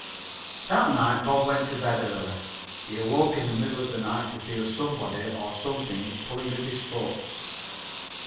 That night Bob went to bed early. He awoke in the middle of the night to feel somebody or something pulling at his foot.